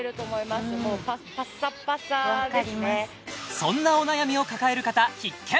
そんなお悩みを抱える方必見！